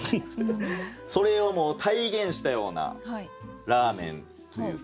それをもう体現したようなラーメンというか。